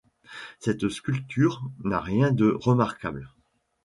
Cette sculpture n'a rien de remarquable.